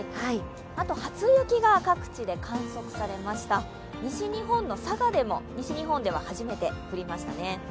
あと、初雪が各地で観測されました西日本の佐賀でも西日本では初めて降りましたね。